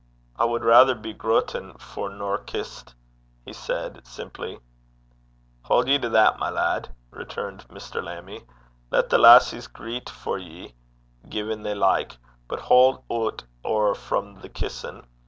'I wad raither be grutten for nor kissed,' said he, simply. 'Haud ye to that, my lad,' returned Mr. Lammie. 'Lat the lasses greit for ye gin they like; but haud oot ower frae the kissin'.